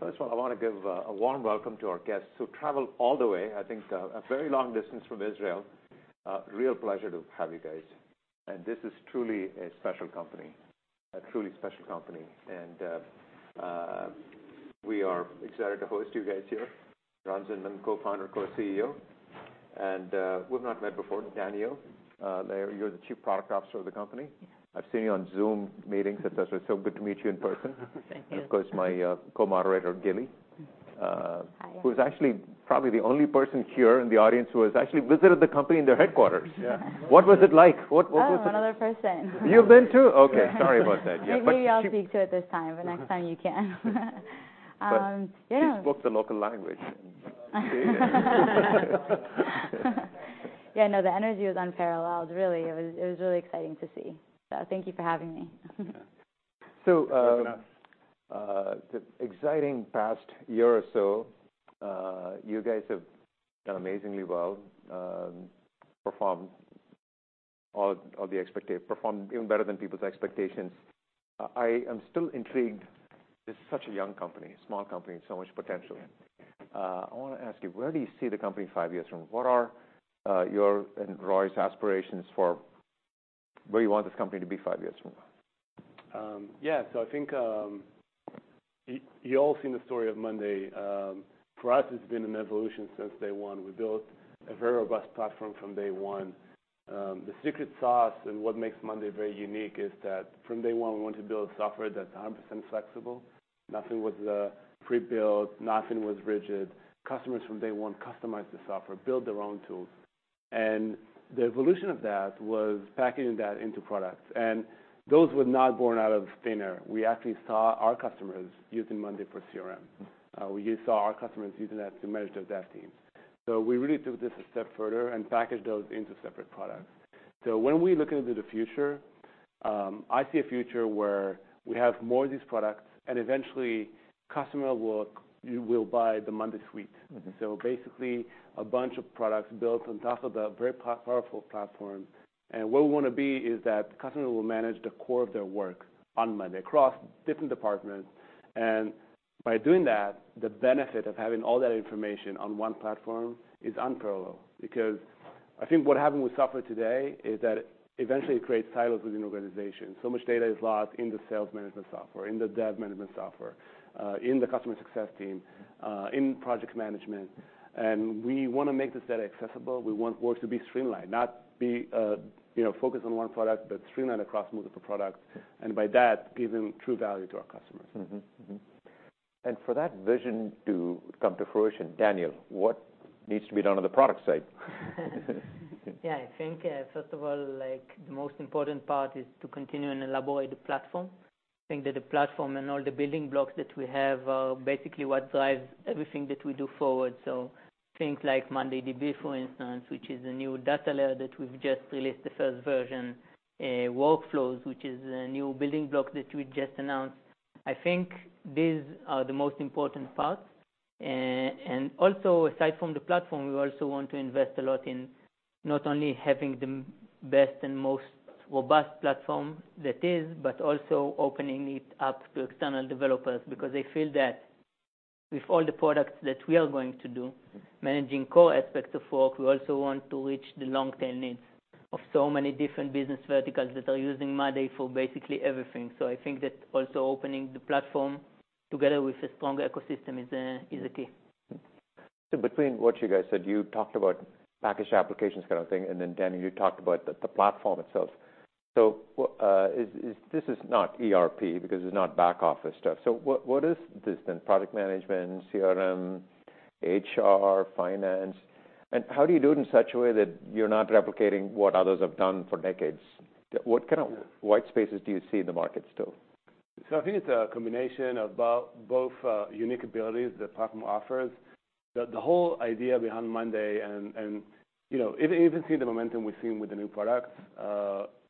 First of all, I want to give a warm welcome to our guests who traveled all the way, I think, a very long distance from Israel. Real pleasure to have you guys. And this is truly a special company, a truly special company, and we are excited to host you guys here. Eran Zinman, Co-founder and Co-CEO, and we've not met before. Daniel, you're the Chief Product Officer of the company. I've seen you on Zoom meetings, and thus it's so good to meet you in person. Thank you. Of course, my co-moderator, Gili Hi. - who is actually probably the only person here in the audience who has actually visited the company in their headquarters. Yeah. What was it like? What was it- Oh, another person. You've been, too? Okay. Yeah. Sorry about that. Yeah. But- Maybe I'll speak to it this time, but next time you can. Yeah. But she spoke the local language. Yeah, no, the energy was unparalleled, really. It was, it was really exciting to see. So thank you for having me. Yeah. So, You're welcome. The exciting past year or so, you guys have done amazingly well, performed even better than people's expectations. I am still intrigued. This is such a young company, small company, so much potential. I want to ask you, where do you see the company five years from now? What are your and Roy's aspirations for where you want this company to be five years from now? Yeah, so I think, you've all seen the story of monday.com. For us, it's been an evolution since day one. We built a very robust platform from day one. The secret sauce and what makes monday.com very unique is that from day one, we wanted to build a software that's 100% flexible. Nothing was pre-built. Nothing was rigid. Customers from day one customized the software, built their own tools, and the evolution of that was packing that into products, and those were not born out of thin air. We actually saw our customers using monday.com for CRM. We saw our customers using that to manage their dev teams. So we really took this a step further and packaged those into separate products. When we look into the future, I see a future where we have more of these products, and eventually, customer work, you will buy the monday.com suite. Mm-hmm. So basically, a bunch of products built on top of the very powerful platform. And where we want to be is that customer will manage the core of their work on monday.com, across different departments. And by doing that, the benefit of having all that information on one platform is unparalleled because I think what happened with software today is that eventually, it creates silos within an organization. So much data is lost in the sales management software, in the dev management software, in the customer success team. Mm-hmm. In project management, we want to make this data accessible. We want work to be streamlined, not be, you know, focused on one product, but streamlined across multiple products, and by that, giving true value to our customers. For that vision to come to fruition, Daniel, what needs to be done on the product side? Yeah, I think, first of all, like, the most important part is to continue and elaborate the platform. I think that the platform and all the building blocks that we have are basically what drives everything that we do forward. So things like mondayDB, for instance, which is a new data layer that we've just released, the first version, Workflows, which is a new building block that we just announced. I think these are the most important parts. And also, aside from the platform, we also want to invest a lot in not only having the best and most robust platform that is, but also opening it up to external developers. Because I feel that with all the products that we are going to do, managing core aspects of work, we also want to reach the long-term needs of so many different business verticals that are using monday.com for basically everything. So I think that also opening the platform together with a strong ecosystem is the key. So between what you guys said, you talked about packaged applications kind of thing, and then, Daniel, you talked about the platform itself. So, this is not ERP because it's not back office stuff. So what, what is this then? product management, CRM, HR, finance, and how do you do it in such a way that you're not replicating what others have done for decades? What kind of- Yeah... white spaces do you see in the market still? So I think it's a combination of both unique abilities the platform offers. The whole idea behind monday.com, and you know, even seeing the momentum we've seen with the new products,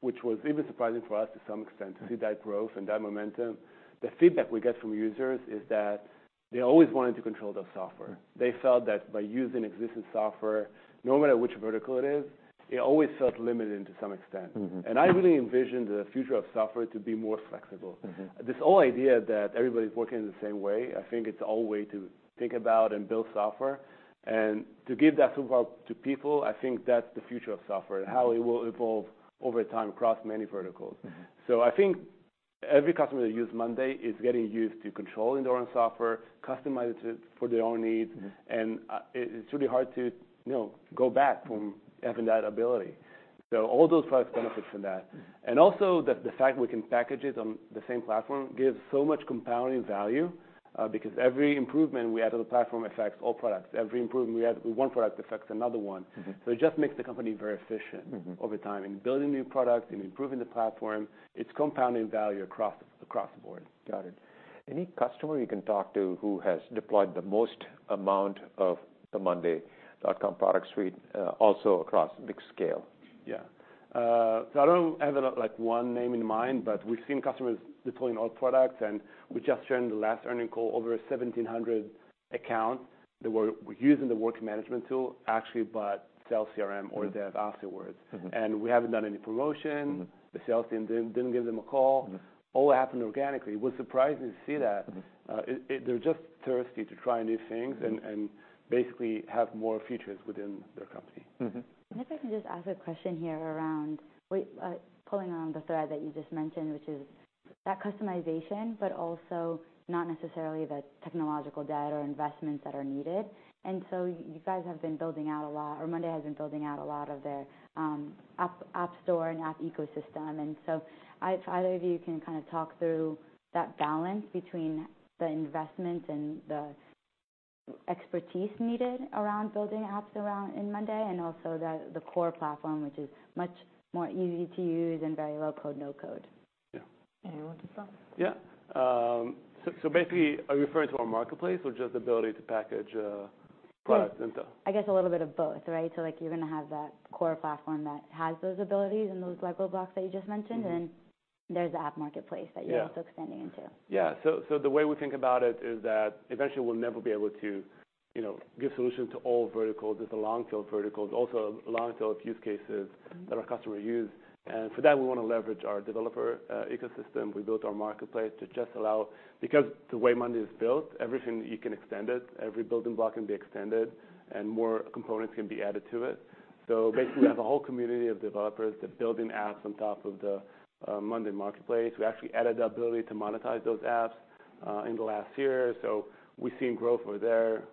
which was even surprising for us to some extent, to see that growth and that momentum. The feedback we get from users is that they always wanted to control their software. Mm. They felt that by using existing software, no matter which vertical it is, it always felt limited to some extent. Mm-hmm. I really envisioned the future of software to be more flexible. Mm-hmm. This whole idea that everybody's working in the same way, I think it's the old way to think about and build software. To give that software to people, I think that's the future of software- Mm-hmm. and how it will evolve over time across many verticals. Mm-hmm. I think every customer that use monday.com is getting used to controlling their own software, customizing it for their own needs. Mm-hmm. And, it's really hard to, you know, go back from having that ability. So all those products benefit from that. Mm-hmm. And also, the fact we can package it on the same platform gives so much compounding value, because every improvement we add to the platform affects all products. Every improvement we add with one product affects another one. Mm-hmm. It just makes the company very efficient- Mm-hmm Over time. In building new products, in improving the platform, it's compounding value across, across the board. Got it. Any customer you can talk to who has deployed the most amount of the monday.com product suite, also across big scale? Yeah, but we've seen customers deploying all products, and we just shared in the last earnings call over 1,700 accounts that were using the Work Management actually bought sales CRM or monday.com Dev. Mm-hmm. We haven't done any promotion. Mm-hmm. The sales team didn't give them a call. Mm-hmm. All happened organically. We're surprised to see that. Mm-hmm. They're just thirsty to try new things- Mm-hmm. basically have more features within their company. Mm-hmm. And if I can just ask a question here around pulling on the thread that you just mentioned, which is that customization, but also not necessarily the technical debt or investments that are needed. And so you guys have been building out a lot or monday.com has been building out a lot of their app, app store and app ecosystem. And so if either of you can kind of talk through that balance between the investment and the expertise needed around building apps around in monday, and also the core platform, which is much more easy to use and very low code, no code? Yeah. Anyone to start? Yeah. So basically, are you referring to our marketplace or just the ability to package products into? I guess a little bit of both, right? So, like, you're gonna have that core platform that has those abilities and those Lego blocks that you just mentioned. Mm-hmm. Then there's the app marketplace- Yeah that you're also expanding into. Yeah. So, the way we think about it is that eventually we'll never be able to, you know, give solutions to all verticals. There's a long tail of verticals, also a long tail of use cases- Mm-hmm -that our customers use, and for that, we want to leverage our developer ecosystem. We built our marketplace to just allow... Because the way monday is built, everything, you can extend it, every building block can be extended, and more components can be added to it. So basically- Mm-hmm We have a whole community of developers that building apps on top of the monday.com marketplace. We actually added the ability to monetize those apps in the last year, so we've seen growth over there.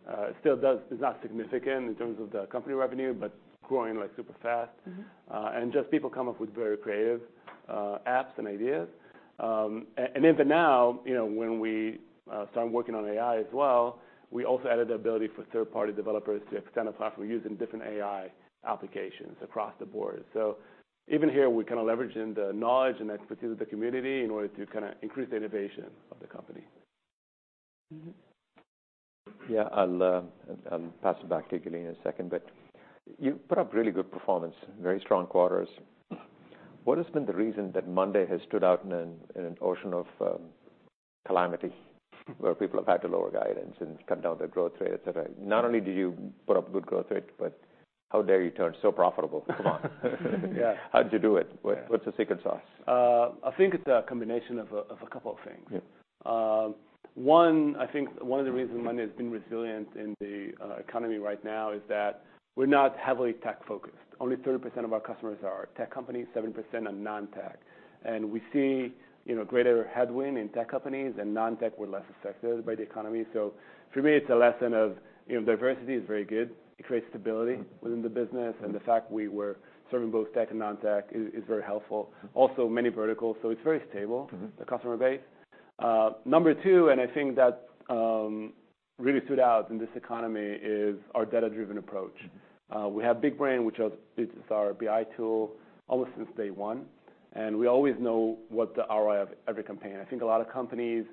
It's not significant in terms of the company revenue, but growing, like, super fast. Mm-hmm. And just people come up with very creative apps and ideas. And even now, when we started working on AI as well, we also added the ability for third-party developers to extend the platform we use in different AI applications across the board. So even here, we're kind of leveraging the knowledge and expertise of the community in order to kind of increase the innovation of the company. Mm-hmm. Yeah, I'll, I'll pass it back to Gilly in a second, but you put up really good performance, very strong quarters. What has been the reason that monday.com has stood out in an ocean of calamity, where people have had to lower guidance and cut down their growth rate, et cetera? Not only did you put up good growth rate, but how dare you turn so profitable? Come on. Yeah. How'd you do it? Yeah. What, what's the secret sauce? I think it's a combination of a couple of things. Yeah. One, I think one of the reasons monday.com has been resilient in the economy right now is that we're not heavily tech-focused. Only 30% of our customers are technology companies, 70% are non-tech. And we see, greater headwind in technology companies, and non-tech, we're less affected by the economy. So for me, it's a lesson of, diversity is very good. It creates stability. Mm-hmm within the business, and the fact we were serving both tech and non-tech is very helpful. Mm-hmm. Also, many verticals, so it's very stable- Mm-hmm -the customer base. Number two, and I think that really stood out in this economy is our data-driven approach. We have BigBrain, which is, it's our BI tool, almost since day one, and we always know what the ROI of every campaign. I think a lot of companies,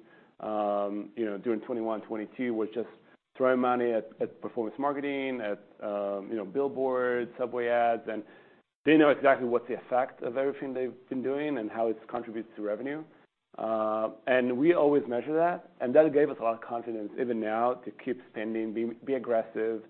you know, during 2021 and 2022, were just throwing money at, at performance marketing, at, you know, billboards, subway ads, and they know exactly what's the effect of everything they've been doing and how it contributes to revenue. And we always measure that, and that gave us a lot of confidence, even now, to keep spending, be, be aggressive,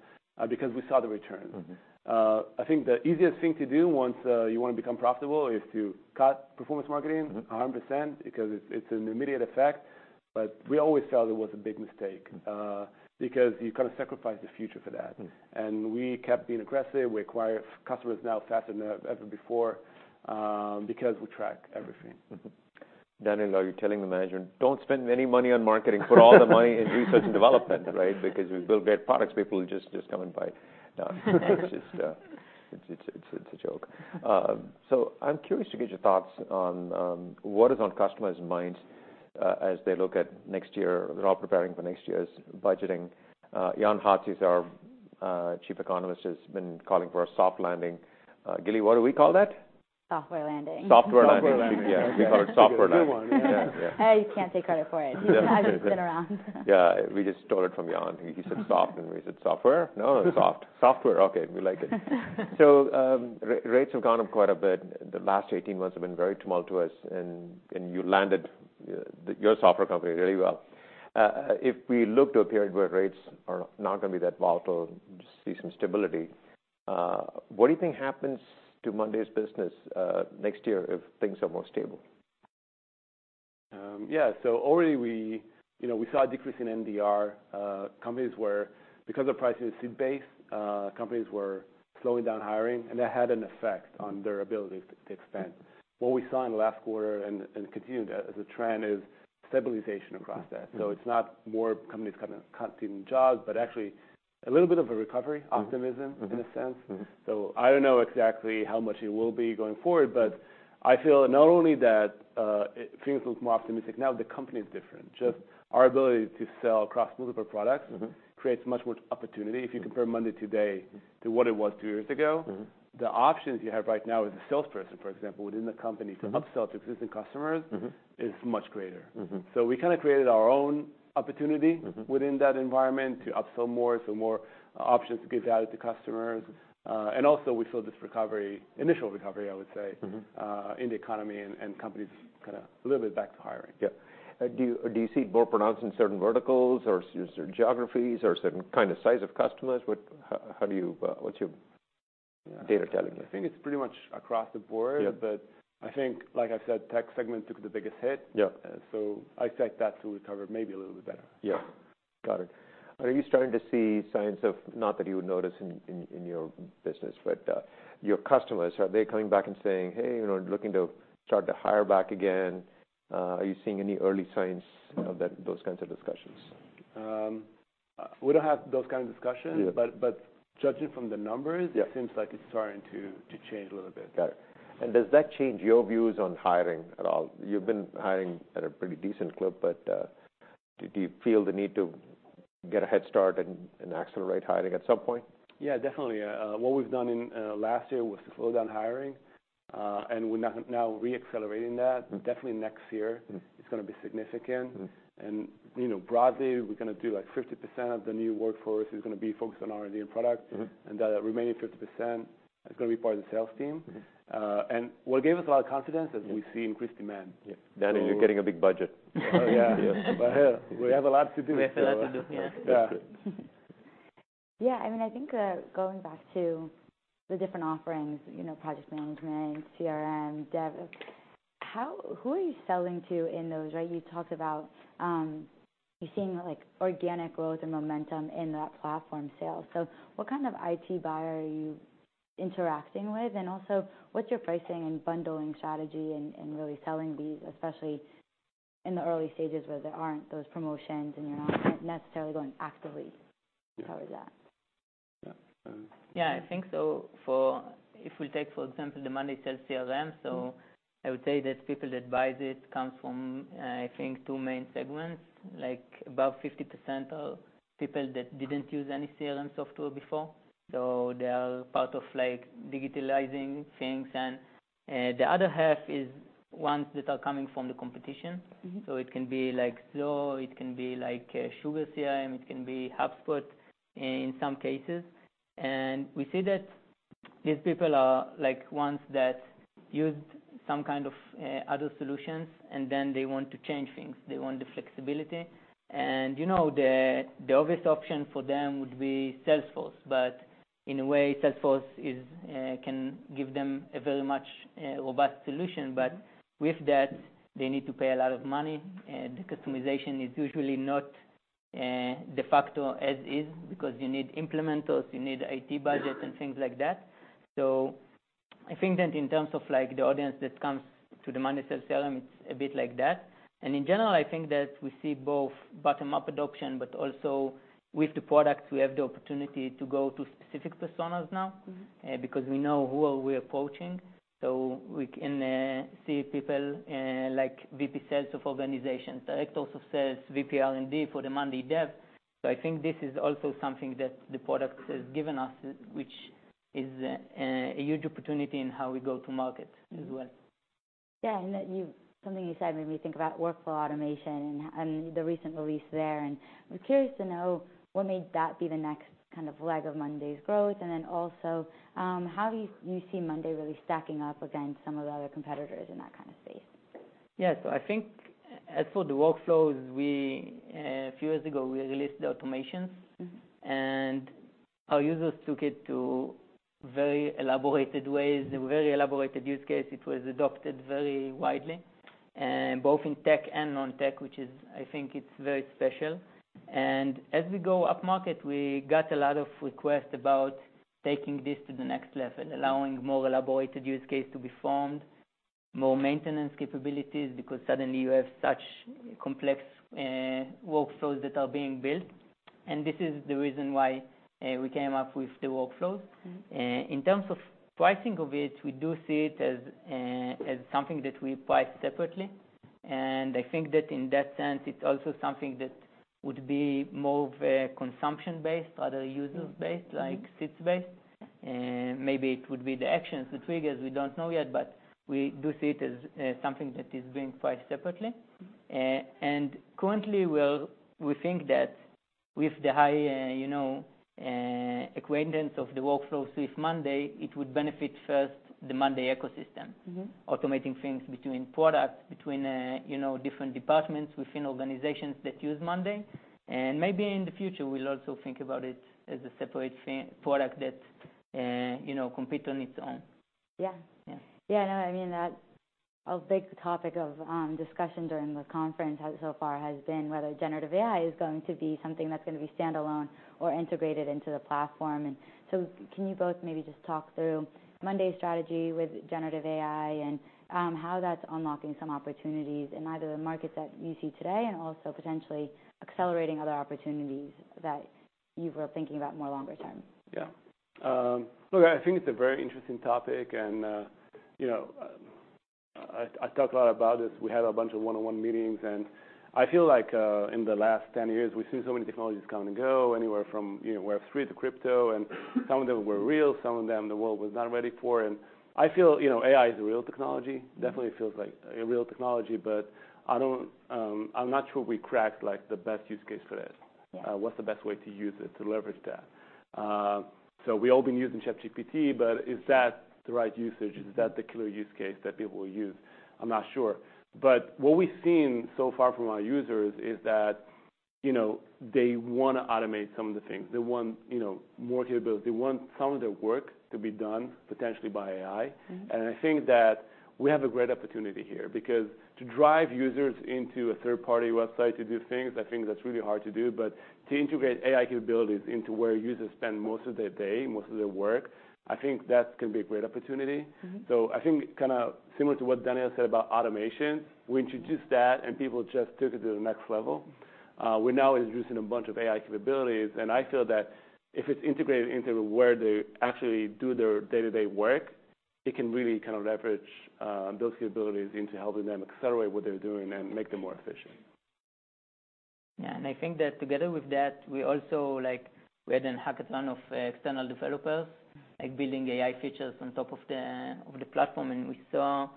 because we saw the return. Mm-hmm. I think the easiest thing to do once you want to become profitable is to cut performance marketing- Mm-hmm 100% because it's, it's an immediate effect. But we always felt it was a big mistake- Mm-hmm Because you kind of sacrifice the future for that. Mm-hmm. We kept being aggressive. We acquire customers now faster than ever before, because we track everything. Mm-hmm. Daniel, are you telling the management, "Don't spend any money on marketing? Put all the money in research and development," right? Because we build great products, people will just, just come and buy. No. It's just... It's a joke. So I'm curious to get your thoughts on what is on customers' minds as they look at next year. They're all preparing for next year's budgeting. Jan Hatzius, our Chief Economist, has been calling for a soft landing. Gilly, what do we call that? Soft landing. Soft landing. Soft landing. Yeah, we call it Soft landing. Good one. Yeah. Yeah. I can't take credit for it. Yeah. I've just been around. Yeah, we just stole it from Jan. He said soft, and we said, "Software?" "No, soft." "Software, okay, we like it." So, rates have gone up quite a bit. The last 18 months have been very tumultuous, and you landed your software company really well. If we look to a period where rates are not gonna be that volatile, we see some stability. What do you think happens to Monday's business next year if things are more stable? Yeah. So already we, you know, we saw a decrease in NDR. Because pricing is seat-based, companies were slowing down hiring, and that had an effect on their ability to spend. What we saw in the last quarter and continued as a trend is stabilization across that. Mm-hmm. It's not more companies kind of cutting jobs, but actually a little bit of a recovery- Mm-hmm -optimism- Mm-hmm in a sense. Mm-hmm. So I don't know exactly how much it will be going forward, but I feel not only that, things look more optimistic now, the company is different. Mm-hmm. Just our ability to sell across multiple products. Mm-hmm creates much more opportunity. Mm-hmm. If you compare monday.com today to what it was two years ago- Mm-hmm... the options you have right now as a salesperson, for example, within the company- Mm-hmm to upsell to existing customers Mm-hmm is much greater. Mm-hmm. We kind of created our own opportunity- Mm-hmm -within that environment to upsell more, so more options to give value to customers. And also, we feel this recovery, initial recovery, I would say- Mm-hmm... in the economy and companies kind of a little bit back to hiring. Yeah. Do you see more pronounced in certain verticals or certain geographies or certain kind of size of customers? How do you, what's your data telling you. I think it's pretty much across the board. Yeah. But I think, like I said, tech segment took the biggest hit. Yeah. So, I expect that to recover maybe a little bit better. Yeah, got it. Are you starting to see signs of, not that you would notice in your business, but, your customers, are they coming back and saying, "Hey, you know, looking to start to hire back again?" Are you seeing any early signs of that, those kinds of discussions? We don't have those kind of discussions. Yeah. But judging from the numbers- Yeah... it seems like it's starting to change a little bit. Got it. And does that change your views on hiring at all? You've been hiring at a pretty decent clip, but do you feel the need to get a head start and accelerate hiring at some point? Yeah, definitely. What we've done in last year was to slow down hiring, and we're now re-accelerating that. Mm. Definitely next year- Mm... it's gonna be significant. Mm. You know, broadly, we're gonna do, like, 50% of the new workforce is gonna be focused on R&D and product. Mm-hmm. The remaining 50% is gonna be part of the sales team. Mm-hmm. and what gave us a lot of confidence is- Yeah... we see increased demand. Yeah. Danny, you're getting a big budget. Oh, yeah. Yeah. Hey, we have a lot to do. We have a lot to do, yeah. Yeah. That's good. Yeah, I mean, I think, going back to the different offerings, you know, project management, CRM, Dev, how—who are you selling to in those, right? You talked about, you're seeing, like, organic growth and momentum in that platform sales. So what kind of IT buyer are you interacting with? And also, what's your pricing and bundling strategy in really selling these, especially in the early stages, where there aren't those promotions and you're not necessarily going actively to cover that? Yeah, um... Yeah, I think so for—if we take, for example, the monday.com Sales CRM, so I would say that people that buy this comes from, I think two main segments, like, above 50% are people that didn't use any CRM software before, so they are part of, like, digitalizing things. And the other half is ones that are coming from the competition. Mm-hmm. So it can be like Zoho CRM, SugarCRM, it can be HubSpot in some cases. And we see that these people are like ones that used some kind of, other solutions, and then they want to change things. They want the flexibility. And, you know, the obvious option for them would be Salesforce, but in a way, Salesforce is, can give them a very much, robust solution. But with that, they need to pay a lot of money, the customization is usually not, de facto as is, because you need implementers, you need IT budget and things like that. So I think that in terms of like the audience that comes to the monday.com Sales CRM, it's a bit like that. In general, I think that we see both bottom-up adoption, but also with the products, we have the opportunity to go to specific personas now- Mm-hmm... because we know who are we approaching. So we can see people like VPs of Sales, Sales Director, and VPs of R&D for monday.com Dev. So I think this is also something that the product has given us, which is a huge opportunity in how we go to market as well. Mm-hmm. Yeah, and that you, something you said made me think about workflow automation and the recent release there. And I'm curious to know, what made that be the next kind of leg of monday.com? And then also, how do you see monday really stacking up against some of the other competitors in that kind of space? Yeah. So I think as for the workflows, we, a few years ago, we released the automations. Mm-hmm. Our users took it to very elaborated ways, very elaborated use case. It was adopted very widely, and both in tech and non-tech, which is... I think it's very special. As we go up market, we got a lot of requests about taking this to the next level, allowing more elaborated use case to be formed, more maintenance capabilities, because suddenly you have such complex, workflows that are being built. This is the reason why, we came up with the workflows. Mm-hmm. In terms of pricing of it, we do see it as something that we price separately. And I think that in that sense, it's also something that would be more of a consumption-based rather user- Mm, mm ...based, like seats-based. Maybe it would be the actions, the triggers, we don't know yet, but we do see it as something that is being priced separately. Mm-hmm. Currently, we think that with the high, you know, acquaintance of the workflows with monday.com it would benefit first the monday.com ecosystem. Mm-hmm. Automating things between products, between, you know, different departments within organizations that use monday.com. And maybe in the future, we'll also think about it as a separate thing, product that, you know, compete on its own. Yeah. Yeah. Yeah, I know, I mean, that's a big topic of discussion during the conference so far has been whether generative AI is going to be something that's gonna be standalone or integrated into the platform. And so can you both maybe just talk through monday.com's strategy with generative AI and how that's unlocking some opportunities in either the market that we see today and also potentially accelerating other opportunities that you were thinking about more longer term? Yeah. Look, I think it's a very interesting topic, and you know, I talked a lot about this. We had a bunch of one-on-one meetings, and I feel like in the last 10 years, we've seen so many technologies come and go, anywhere from you know, Web3 to cryptocurrency, and some of them were real, some of them the world was not ready for. And I feel you know, AI is a real technology. Mm-hmm. Definitely feels like a real technology, but I don't, I'm not sure we cracked, like, the best use case for it. Yeah. What's the best way to use it to leverage that? So we've all been using ChatGPT, but is that the right usage? Is that the clear use case that people will use? I'm not sure. But what we've seen so far from our users is that you know, they want to automate some of the things. They want, you know, more capability. They want some of their work to be done potentially by AI. Mm-hmm. I think that we have a great opportunity here, because to drive users into a third-party website to do things, I think that's really hard to do. To integrate AI capabilities into where users spend most of their day, most of their work, I think that can be a great opportunity. Mm-hmm. I think kind of similar to what Daniel said about automation, we introduced that, and people just took it to the next level. We're now introducing a bunch of AI capabilities, and I feel that if it's integrated into where they actually do their day-to-day work, it can really kind of leverage those capabilities into helping them accelerate what they're doing and make them more efficient. Yeah, and I think that together with that, we also, like, we had a hackathon of external developers, like, building AI features on top of the platform. And we saw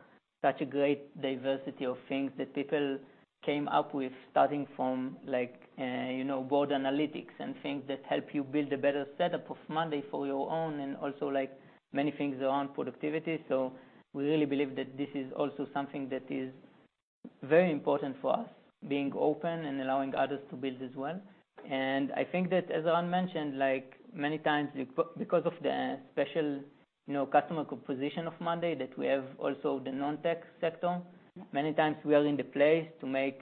such a great diversity of things that people came up with, starting from like, you know, board analytics and things that help you build a better setup of monday.com for your own, and also like many things around productivity. So we really believe that this is also something that is very important for us, being open and allowing others to build as well. And I think that, as Eran mentioned, like, many times, because of the special, you know, customer composition of monday.com, that we have also the non-tech sector- Yeah... many times we are in the place to make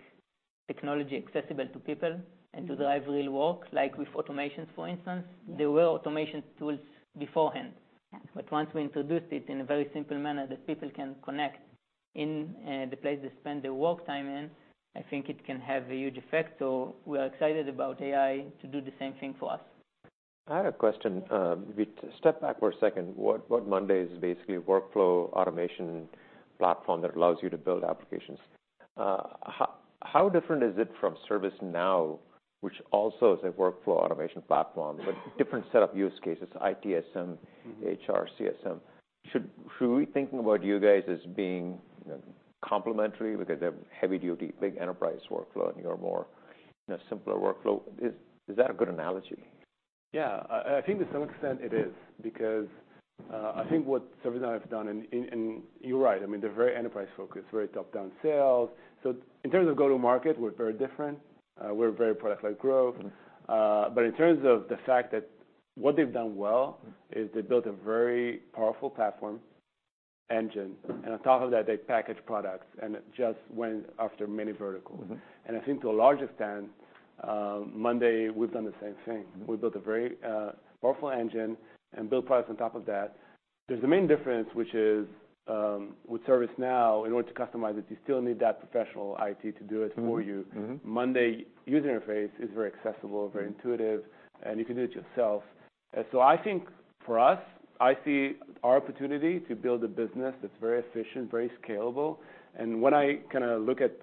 technology accessible to people- Mm-hmm And to drive real work, like with automations, for instance. Yeah. There were automation tools beforehand. Yeah. But once we introduced it in a very simple manner that people can connect in, the place they spend their work time in, I think it can have a huge effect. So we are excited about AI to do the same thing for us. Mm-hmm. I have a question. We step back for a second. What, what monday.com is basically a workflow automation platform that allows you to build applications. How different is it from ServiceNow, which also is a workflow automation platform- Mm-hmm... but different set of use cases, ITSM, HR, CSM. Should we think about you guys as being, you know, complementary because they're heavy duty, big enterprise workflow, and you're more, you know, simpler workflow? Is that a good analogy? Yeah. I think to some extent it is, because, I think what ServiceNow has done, and, and, and you're right, I mean, they're very enterprise-focused, very top-down sales. So in terms of go-to-market, we're very different. We're very product-led growth. Mm-hmm. But in terms of the fact that what they've done well- Mm-hmm ...is they built a very powerful platform engine, and on top of that, they package products, and it just went after many verticals. Mm-hmm. I think to a large extent, monday.com, we've done the same thing. Mm-hmm. We built a very, powerful engine and built products on top of that. There's the main difference, which is, with ServiceNow, in order to customize it, you still need that professional IT to do it for you. Mm-hmm. Mm-hmm. monday user interface is very accessible. Mm-hmm... very intuitive, and you can do it yourself. So I think for us, I see our opportunity to build a business that's very efficient, very scalable. When I kind of look at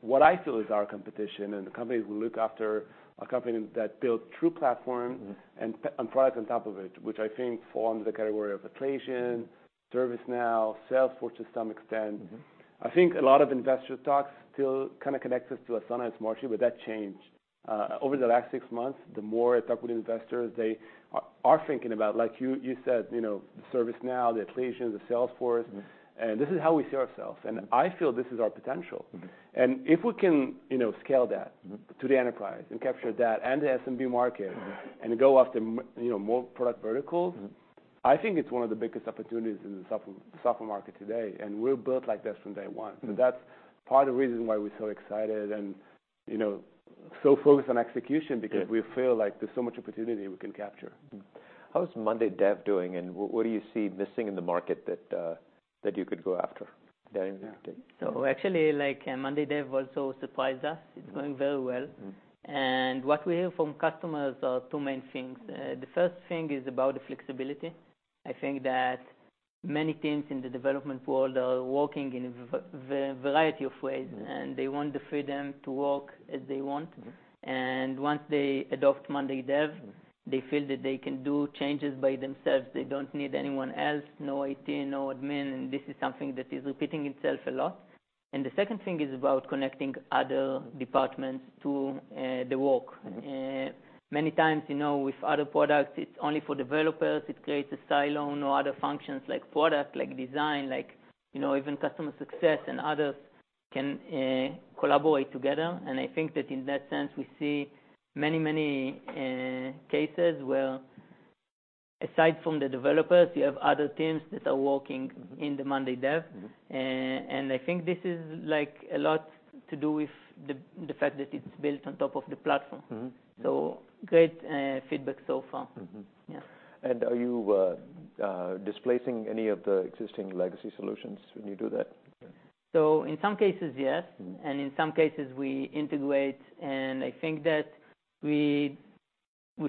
what I feel is our competition and the companies we look after, a company that builds true platform- Mm-hmm... and products on top of it, which I think forms the category of Atlassian, ServiceNow, Salesforce to some extent. Mm-hmm. I think a lot of investor talks still kind of connects us to a Sunrise Market, but that changed. Over the last six months, the more I talk with investors, they are, are thinking about, like you, you said, you know, ServiceNow, the Atlassian, the Salesforce. Mm-hmm. This is how we see ourselves. Mm-hmm. I feel this is our potential. Mm-hmm. And if we can, you know, scale that- Mm-hmm... to the enterprise and capture that and the SMB market Mm-hmm... and go after you know, more product verticals- Mm-hmm... I think it's one of the biggest opportunities in the software market today, and we're built like this from day one. Mm-hmm. So that's part of the reason why we're so excited and, you know, so focused on execution- Yeah... because we feel like there's so much opportunity we can capture. Mm-hmm. How is monday dev doing, and what do you see missing in the market that, that you could go after? Daniel, yeah. Actually, like, monday.com Dev also surprised us. It's going very well. Mm-hmm. What we hear from customers are two main things. The first thing is about the flexibility. I think that many teams in the development world are working in variety of ways- Mm-hmm... and they want the freedom to work as they want. Mm-hmm. Once they adopt monday.com Dev, they feel that they can do changes by themselves. They don't need anyone else, no IT, no admin, and this is something that is repeating itself a lot. The second thing is about connecting other departments to the work. Mm-hmm. Many times, you know, with other products, it's only for developers. It creates a silo. No other functions like product, like design, like, you know, even customer success and others can collaborate together. And I think that in that sense, we see many, many cases where aside from the developers, you have other teams that are working in the monday.com Dev. Mm-hmm. I think this is, like, a lot to do with the fact that it's built on top of the platform. Mm-hmm. Great feedback so far. Mm-hmm. Yeah. Are you displacing any of the existing legacy solutions when you do that? In some cases, yes. Mm-hmm. In some cases, we integrate, and I think that we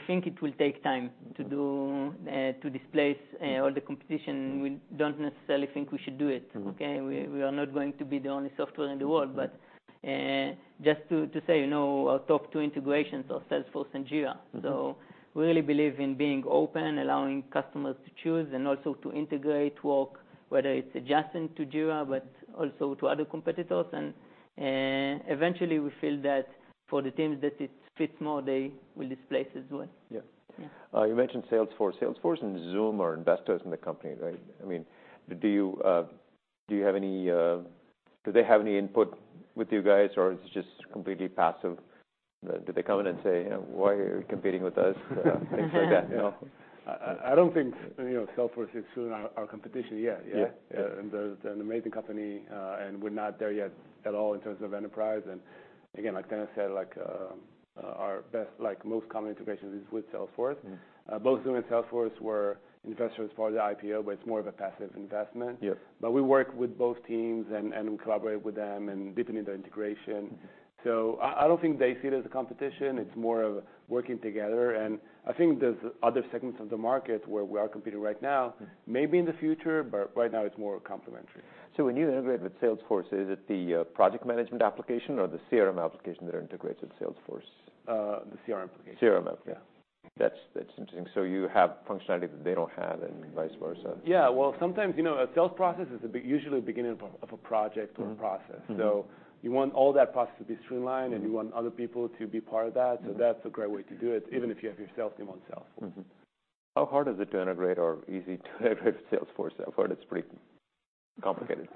think it will take time to do to displace all the competition. Mm-hmm. We don't necessarily think we should do it. Mm-hmm. Okay? We are not going to be the only software in the world. Mm-hmm. Just to say, you know, our top two integrations are Salesforce and Jira. Mm-hmm. We really believe in being open, allowing customers to choose and also to integrate work, whether it's adjacent to Jira, but also to other competitors. Eventually, we feel that for the teams that it fits more, they will displace as well. Yeah. Yeah. You mentioned Salesforce. Salesforce and Zoom are investors in the company, right? I mean, do you have any, do they have any input with you guys, or it's just completely passive? Do they come in and say, you know, "Why are you competing with us?" Things like that, you know? I don't think, you know, Salesforce is still our competition yet. Yeah? Yeah, and they're an amazing company, and we're not there yet at all in terms of enterprise. And again, like Dennis said, like, our best—like, most common integrations is with Salesforce. Mm-hmm. Both Zoom and Salesforce were investors as far as the IPO, but it's more of a passive investment. Yes. But we work with both teams and we collaborate with them, and deepening the integration. Mm-hmm. So I don't think they see it as a competition. It's more of working together, and I think there's other segments of the market where we are competing right now. Mm. Maybe in the future, but right now it's more complementary. So when you integrate with Salesforce, is it the Work Management application or the CRM application that integrates with Salesforce? The CRM application. CRM application. Yeah. That's interesting. So you have functionality that they don't have and vice versa? Yeah. Well, sometimes, you know, a sales process is usually the beginning of a project- Mm-hmm. or a process. Mm-hmm. So you want all that process to be streamlined- Mm-hmm. and you want other people to be part of that. Mm-hmm. That's a great way to do it, even if you have your sales team on Salesforce. Mm-hmm. How hard is it to integrate or easy to integrate with Salesforce? I've heard it's pretty complicated.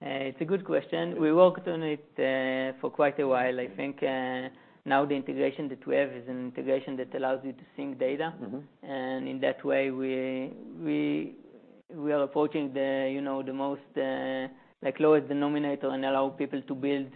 It's a good question. We worked on it for quite a while. I think, now the integration that we have is an integration that allows you to sync data. Mm-hmm. And in that way, we are approaching the, you know, the most, like, lowest denominator and allow people to build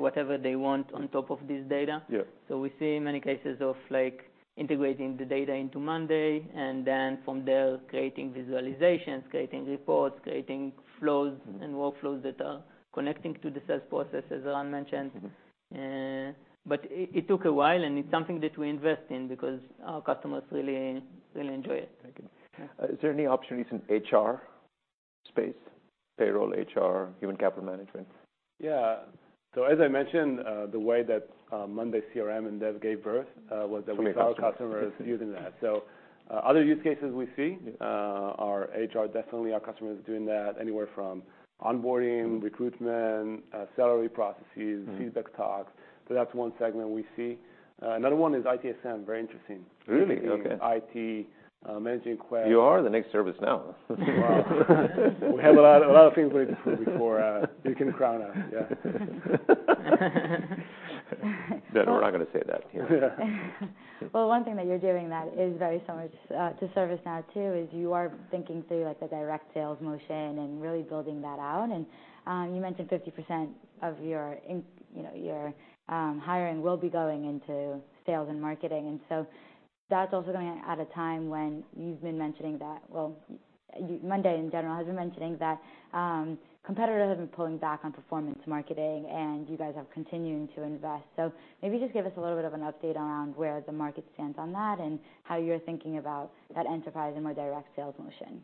whatever they want on top of this data. Yeah. So we see many cases of, like, integrating the data into monday.com, and then from there, creating visualizations, creating reports, creating flows and workflows that are connecting to the sales process, as Eran mentioned. Mm-hmm. But it took a while, and it's something that we invest in because our customers really, really enjoy it. Thank you. Is there any opportunities in HR space, payroll, Human Capital Management? Yeah. So as I mentioned, the way that, monday CRM and dev gave birth, was that- It's many customers. We saw customers using that. So, other use cases we see Yeah... are HR, definitely. Our customers are doing that, anywhere from onboarding- Mm-hmm. -recruitment, salary processes- Mm-hmm. Feedback talks. So that's one segment we see. Another one is ITSM. Very interesting. Really? Okay. IT, managing quest- You are the next ServiceNow. Wow. We have a lot, a lot of things we need to do before you can crown us. Yeah. Good. We're not going to say that here. Yeah. Well, one thing that you're doing that is very similar to ServiceNow, too, is you are thinking through, like, the direct sales motion and really building that out. And you mentioned 50% of your hiring will be going into sales and marketing, and so that's also going at a time when you've been mentioning that. Well, monday.com, in general, has been mentioning that competitors have been pulling back on performance marketing, and you guys are continuing to invest. So maybe just give us a little bit of an update around where the market stands on that, and how you're thinking about that enterprise and more direct sales motion.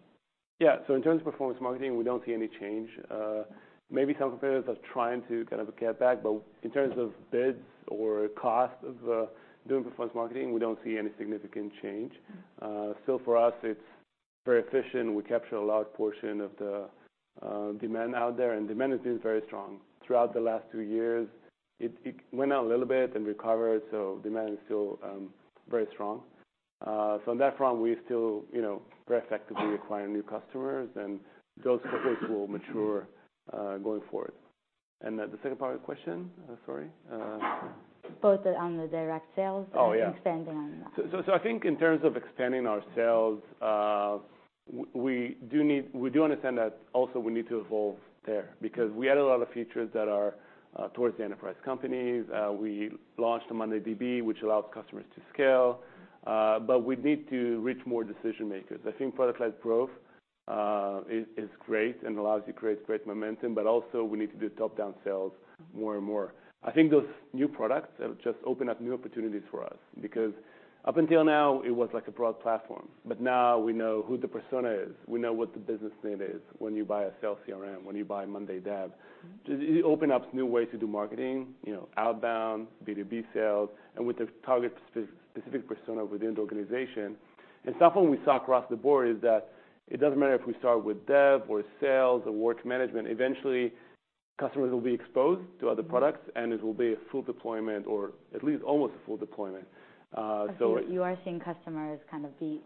Yeah. So in terms of performance marketing, we don't see any change. Maybe some competitors are trying to kind of get back, but in terms of bids or cost of, doing performance marketing, we don't see any significant change. Mm-hmm. So for us, it's very efficient. We capture a large portion of the demand out there, and demand has been very strong. Throughout the last two years, it went out a little bit and recovered, so demand is still very strong. So on that front, we still, you know, very effectively acquiring new customers, and those customers will mature going forward. And the second part of the question? Sorry... Both on the direct sales- Oh, yeah and expanding on that. So, I think in terms of expanding our sales, we do need. We do understand that also we need to evolve there, because we add a lot of features that are towards the enterprise companies. We launched mondayDB, which allows customers to scale, but we need to reach more decision-makers. I think product-led growth is great and allows you to create great momentum, but also, we need to do top-down sales more and more. I think those new products have just opened up new opportunities for us because up until now, it was like a broad platform, but now we know who the persona is. We know what the business need is, when you buy a sales CRM, when you buy monday.com Dev. Mm-hmm. Just, it opens up new ways to do marketing, you know, outbound, B2B sales, and with the target specific persona within the organization. And something we saw across the board is that, it doesn't matter if we start with dev or sales or work management, eventually, customers will be exposed to other products, and it will be a full deployment or at least almost a full deployment. You are seeing customers kind of be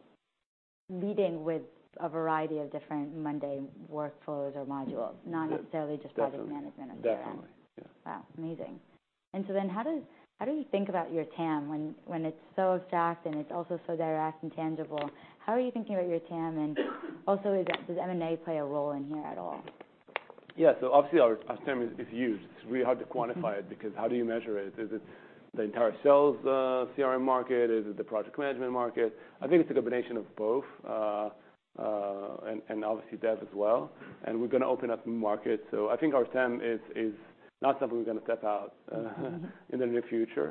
leading with a variety of different monday workflows or modules- Yeah. Not necessarily just project management. Definitely. -or CRM. Definitely. Yeah. Wow, amazing. And so then how does, how do you think about your TAM when, when it's so abstract and it's also so direct and tangible? How are you thinking about your TAM, and also, does, does M&A play a role in here at all? Yeah. So obviously, our TAM is huge. It's really hard to quantify it- Mm-hmm. -because how do you measure it? Is it the entire sales CRM market? Is it the Work Management? I think it's a combination of both, and obviously Dev as well, and we're going to open up new markets. So I think our TAM is not something we're going to tap out - Mm-hmm... in the near future.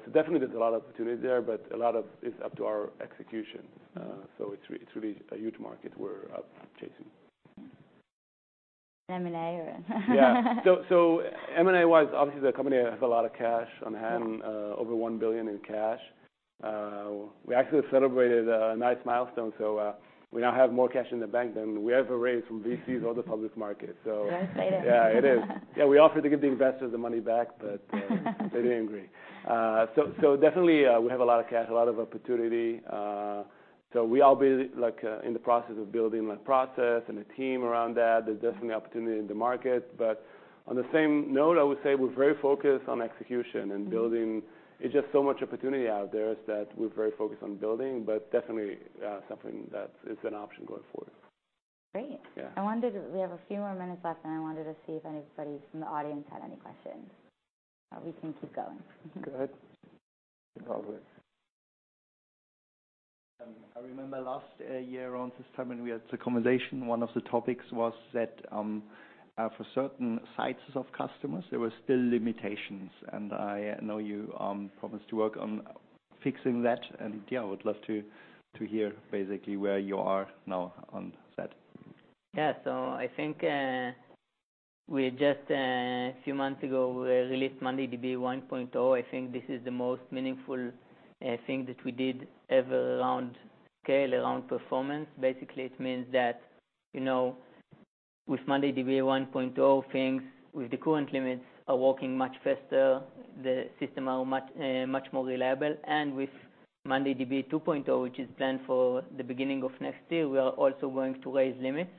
So definitely there's a lot of opportunities there, but a lot of it's up to our execution. So it's really a huge market we're chasing. Mm-hmm. M&A or... Yeah. So, so M&A-wise, obviously, the company has a lot of cash on hand- Yeah... over $1 billion in cash. We actually celebrated a nice milestone, so, we now have more cash in the bank than we ever raised from VCs or the public market, so- Exciting. Yeah, it is. Yeah, we offered to give the investors the money back, but they didn't agree. So, so definitely, we have a lot of cash, a lot of opportunity. So we are building, like, in the process of building like process and a team around that. There's definitely opportunity in the market, but on the same note, I would say we're very focused on execution and building. It's just so much opportunity out there is that we're very focused on building, but definitely, something that is an option going forward. Great. Yeah. I wondered if we have a few more minutes left, and I wanted to see if anybody from the audience had any questions, or we can keep going. Go ahead. I remember last year around this time when we had the conversation, one of the topics was that, for certain sizes of customers, there were still limitations, and I know you promised to work on fixing that. Yeah, I would love to hear basically where you are now on that. Yeah. So I think, we just, a few months ago, we released mondayDB 1.0. I think this is the most meaningful, thing that we did ever around scale, around performance. Basically, it means that, you know, with mondayDB 1.0, things with the current limits are working much faster, the system are much, much more reliable. And with mondayDB 2.0, which is planned for the beginning of next year, we are also going to raise limits.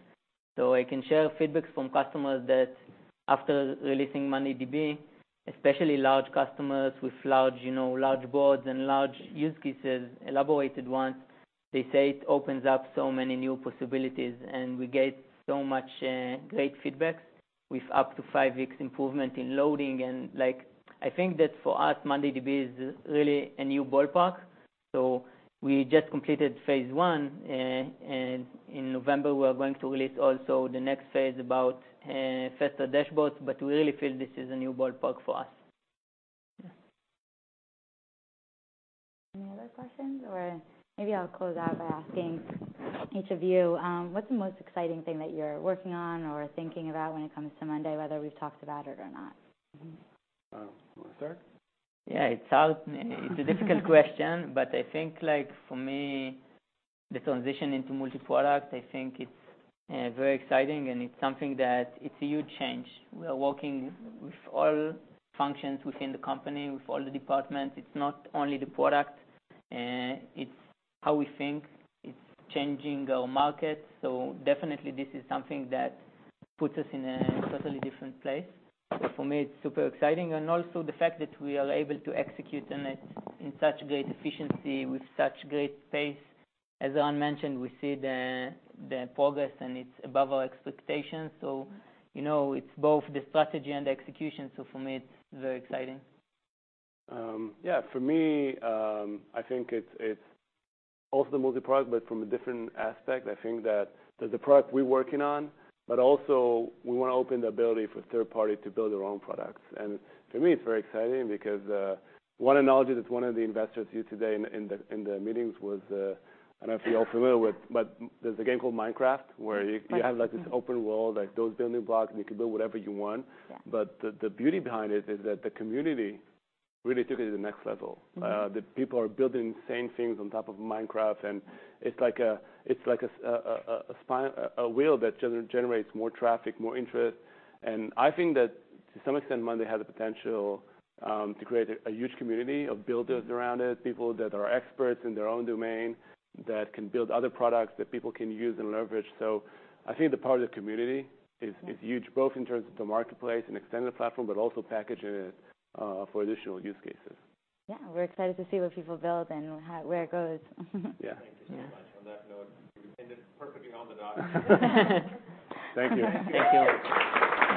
So I can share feedbacks from customers that after releasing mondayDB, especially large customers with large, you know, large boards and large use cases, elaborated ones, they say it opens up so many new possibilities, and we get so much, great feedback with up to five weeks improvement in loading. Like, I think that for us, mondayDB is really a new ballpark, so we just completed phase one, and in November, we are going to release also the next phase about faster dashboards. But we really feel this is a new ballpark for us. Any other questions, or maybe I'll close out by asking each of you, what's the most exciting thing that you're working on or thinking about when it comes to monday.com, whether we've talked about it or not? You want to start? Yeah, it's a difficult question, but I think like for me, the transition into multi-product, I think it's very exciting and it's something that it's a huge change. We are working with all functions within the company, with all the departments. It's not only the product, it's how we think. It's changing our market. So definitely this is something that puts us in a totally different place. But for me, it's super exciting. And also the fact that we are able to execute on it in such great efficiency, with such great pace. As Ron mentioned, we see the progress, and it's above our expectations. So, you know, it's both the strategy and the execution. So for me, it's very exciting. Yeah, for me, I think it's, it's also the multi-product, but from a different aspect. I think that there's a product we're working on, but also we want to open the ability for third party to build their own products. And for me, it's very exciting because, one analogy that one of the investors used today in the, in the, in the meetings was, I don't know if you're all familiar with, but there's a game called Minecraft, where you- Minecraft... you have, like, this open world, like, those building blocks, and you can build whatever you want. Yeah. The beauty behind it is that the community really took it to the next level. Mm-hmm. The people are building insane things on top of Minecraft, and it's like a wheel that generates more traffic, more interest. And I think that to some extent, monday.com has the potential to create a huge community of builders around it, people that are experts in their own domain, that can build other products that people can use and leverage. So I think the part of the community is- Mm-hmm... is huge, both in terms of the marketplace and extended platform, but also packaging it, for additional use cases. Yeah, we're excited to see what people build and how, where it goes. Yeah. Thank you so much. On that note, it's perfectly on the dot. Thank you. Thank you.